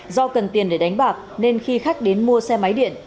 do cần tiền để đánh bạc nên khi khách đến mua xe máy điện